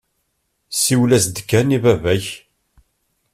Siwel-as-d kan i baba-k.